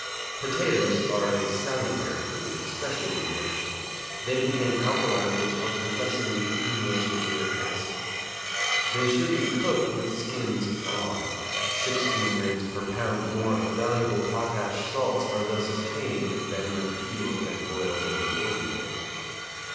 Potatoes are a salutary food, especially in winter. They contain alkalies which help to lessen the accumulation of uric acid. They should be cooked with skins on: 16 grains per lb. more of valuable potash salts are thus obtained than when peeled and boiled in the ordinary way.